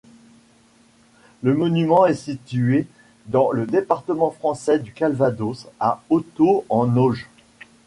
Le monument est situé dans le département français du Calvados, à Hotot-en-Auge.